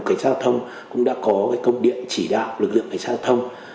tại cục cảnh sát giao thông cũng đã có công điện chỉ đạo lực lượng cảnh sát giao thông